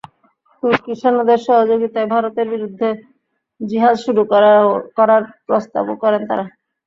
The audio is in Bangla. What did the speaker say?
তুর্কি সেনাদের সহযোগিতায় ভারতের বিরুদ্ধে জিহাদ শুরু করার প্রস্তাবও করেন তাঁরা।